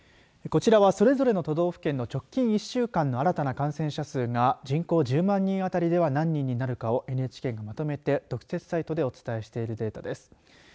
こちらは、それぞれの都道府県の直近１週間の新たな感染者数が人口１０万人あたりでは何人になるかＮＨＫがまとめて特設サイトでお伝えしているデータです。